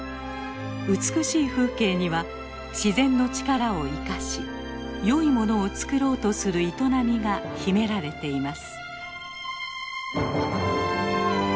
美しい風景には自然の力を生かし良いものをつくろうとする営みが秘められています。